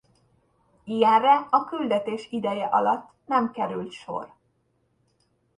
Ilyenre a küldetés ideje alatt nem került sor.